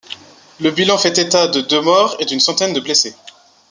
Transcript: Le bilan fait état de deux morts et d'une centaine de blessés.